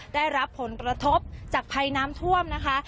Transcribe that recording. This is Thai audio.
ได้รับผลกระทบจากภัยน้ำท่วมนะคะ